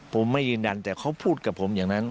ผมไม่ยืนยันแต่เขาพูดกับผมอย่างนั้น